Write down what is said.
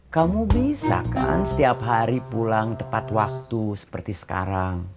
kamu bisa kan setiap hari pulang tepat waktu seperti sekarang